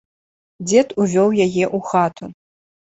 Дзед увёў яе ў хату.